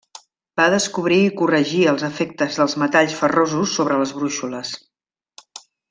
Va descobrir i corregir els efectes dels metalls ferrosos sobre les brúixoles.